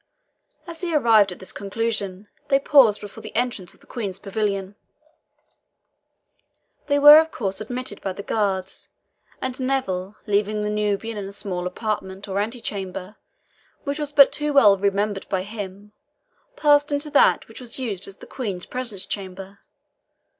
As he arrived at this conclusion, they paused before the entrance of the Queen's pavilion. They were of course admitted by the guards, and Neville, leaving the Nubian in a small apartment, or antechamber, which was but too well remembered by him, passed into that which was used as the Queen's presence chamber.